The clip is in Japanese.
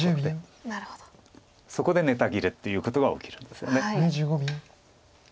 そこでネタ切れっていうことが起きるんですよね。